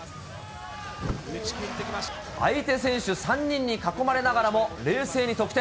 相手選手３人に囲まれながらも、冷静に得点。